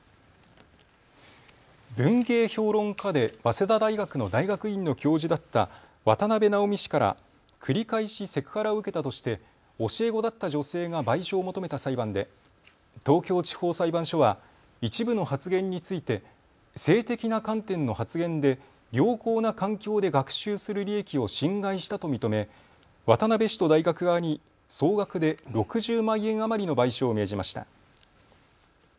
文芸評論家で早稲田大学の大学院の教授だった渡部直己氏から繰り返しセクハラを受けたとして教え子だった女性が賠償を求めた裁判で東京地方裁判所は一部の発言について性的な観点の発言で良好な環境で学習する利益を侵害したと認め渡部氏と大学側に総額で６０万円余りの賠償を命じました。